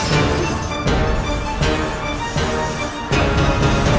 let's toda sameh tiden semua